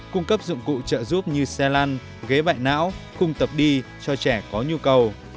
cung cấp dụng cụ trợ giúp như xe lăn ghế bại não khung tập đi cho trẻ có nhu cầu